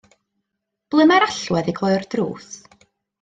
Ble mae'r allwedd i gloi'r drws?